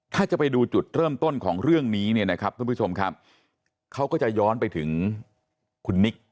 ถ้าจะไปดูจุดเริ่มต้นของเรื่องนี้เนี่ยนะครับท่านผู้ชมครับเขาก็จะย้อนไปถึงคุณนิก